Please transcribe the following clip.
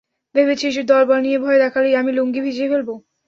ভেবেছিস দলবল নিয়ে ভয় দেখালেই আমি লুঙ্গি ভিজিয়ে ফেলব?